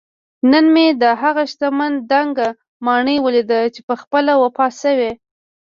نن مې دهغه شتمن دنګه ماڼۍ ولیده چې پخپله وفات شوی